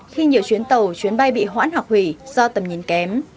khi nhiều chuyến tàu chuyến bay bị hoãn hoặc hủy do tầm nhìn kém